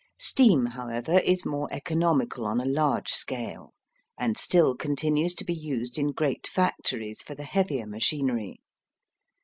Steam, however, is more economical on a large scale, and still continues to be used in great factories for the heavier machinery.